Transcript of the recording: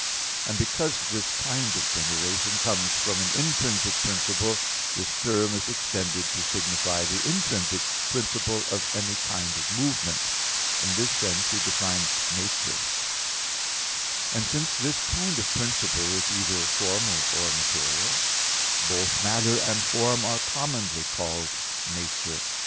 And because this kind of generation comes from an intrinsic principle, this term is extended to signify the intrinsic principle of any kind of movement. In this sense he defines "nature" (Phys. ii, 3). And since this kind of principle is either formal or material, both matter and form are commonly called nature.